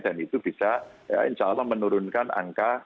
dan itu bisa insya allah menurunkan angka